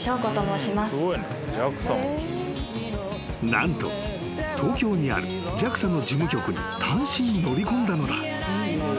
［何と東京にあるＪＡＸＡの事務局に単身乗り込んだのだ］